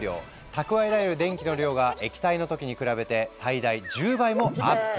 蓄えられる電気の量が液体の時に比べて最大１０倍もアップ！